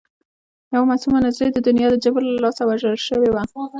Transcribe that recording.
یوه معصومه نجلۍ د دنیا د جبر له لاسه وژل شوې وه